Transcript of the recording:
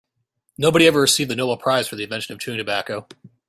Nobody ever received the Nobel prize for the invention of chewing tobacco.